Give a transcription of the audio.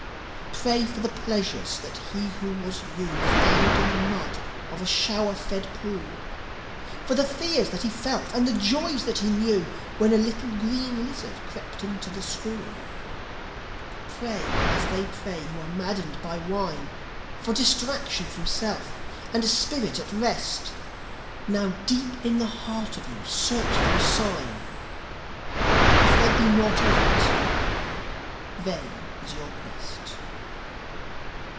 Pray for the pleasures that he who was you Found in the mud of a shower fed pool, For the fears that he felt and the joys that he knew When a little green lizard crept into the school. Pray as they pray who are maddened by wine: For distraction from self and a spirit at rest. Now, deep in the heart of you search for a sign If there be naught of it, vain is your quest.